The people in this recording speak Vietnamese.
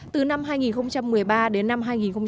từ năm hai nghìn một mươi ba đến năm hai nghìn một mươi bảy